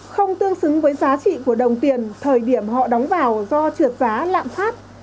không tương xứng với giá trị của đồng tiền thời điểm họ đóng vào do trượt giá lạm phát